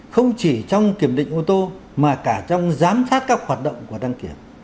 không chỉ trong kiểm định ô tô mà cả trong giám sát các hoạt động của đăng kiểm